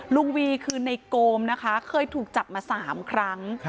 วีคือในโกมนะคะเคยถูกจับมา๓ครั้ง